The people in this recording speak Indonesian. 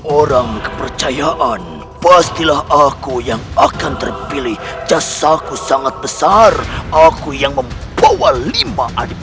orang kepercayaan pastilah aku yang akan terpilih jasaku sangat besar aku yang membawa lima adik